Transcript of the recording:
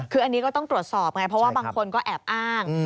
คืออันนี้ก็ต้องตรวจสอบไงเพราะว่าบางคนก็แอบอ้าง